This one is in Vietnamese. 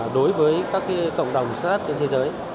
đối với các cộng đồng start up trên thế giới